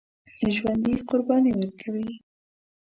ژوندي قرباني ورکوي